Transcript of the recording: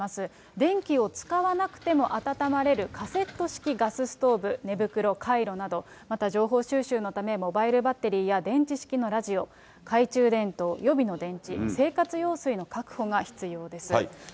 電気を使わなくても暖まれるカセット式ガスストーブ、寝袋、カイロなど、また情報収集のため、モバイルバッテリーや電池式のラジオ、懐中電灯、予備の電池、生活用水の確保が必要です。